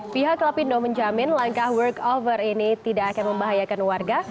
pihak lapindo menjamin langkah work over ini tidak akan membahayakan warga